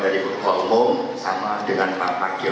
dan ini akan kita bahas setelah tahapan ini